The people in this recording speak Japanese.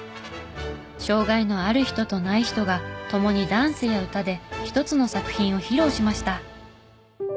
障がいのある人とない人が共にダンスや歌で１つの作品を披露しました。